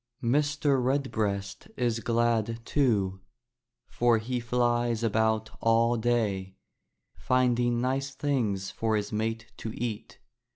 Mr. Redbreast is glad, too, for he flies about all day, finding nice things for his mate to eat.